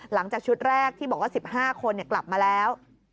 หลังจากชุดแรกที่บอกว่า๑๕คนกลับมาแล้ว